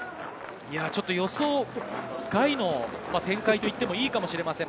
予想外の展開と言ってもいいかもしれません。